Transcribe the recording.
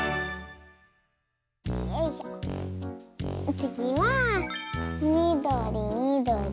つぎはみどりみどり。